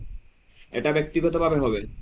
এটা ব্যক্তিগতভাবে হবে।